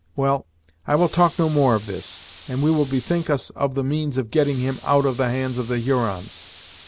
Well, I will talk no more of this; and we will bethink us of the means of getting him out of the hands of the Hurons.